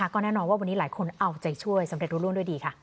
ก็แน่นอนว่าวันนี้หลายคนเอาใจช่วยสำเร็จรู้ร่วงด้วยดีค่ะ